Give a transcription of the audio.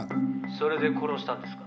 「それで殺したんですか？」